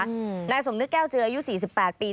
ในสมนึกแก้วเจออายุ๔๘ปี